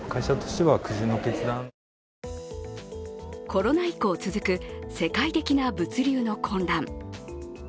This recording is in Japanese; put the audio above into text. コロナ以降続く世界的な物流の混乱。